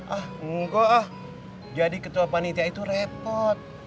ah enggak ah jadi ketua panitia itu repot